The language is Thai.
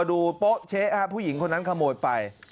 โป๊ะเช๊ะผู้หญิงคนนั้นขโมยไป